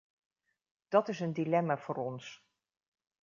Dat is een dilemma voor ons.